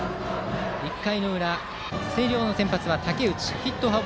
１回裏、星稜の先発は武内。